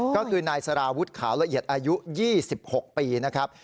ก็คือนายสารวุฒิขาวละเอียดอายุ๒๖ปีนะครับ